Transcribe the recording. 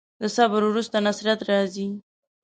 د صبر وروسته نصرت راځي.